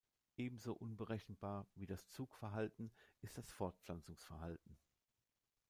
Ebenso unberechenbar wie das Zugverhalten ist das Fortpflanzungsverhalten.